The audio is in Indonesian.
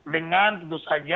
dengan tentu saja